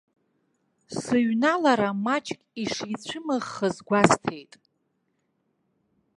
Сыҩналара маҷк ишицәымыӷхаз гәасҭеит.